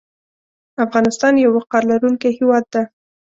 افغانستان یو وقار لرونکی هیواد ده